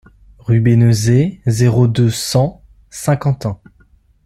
Rue Bénezet, zéro deux, cent Saint-Quentin